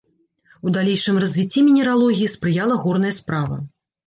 У далейшым развіцці мінералогіі спрыяла горная справа.